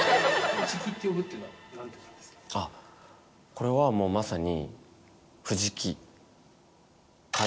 これはもうまさに。